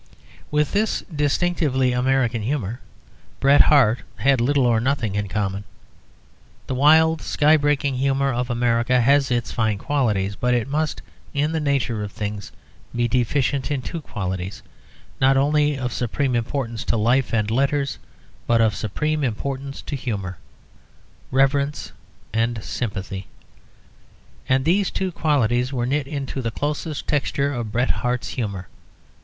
With this distinctively American humour Bret Harte had little or nothing in common. The wild, sky breaking humour of America has its fine qualities, but it must in the nature of things be deficient in two qualities, not only of supreme importance to life and letters, but of supreme importance to humour reverence and sympathy. And these two qualities were knit into the closest texture of Bret Harte's humour.